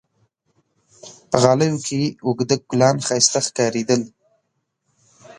په غالیو کې اوږده ګلان ښایسته ښکارېدل.